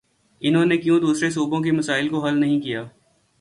انہوں نے کیوں دوسرے صوبوں کے مسائل کو حل نہیں کیا؟